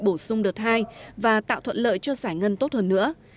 bổ sung đợt hai và tạo thuận lợi cho giải ngân tốt hơn nữa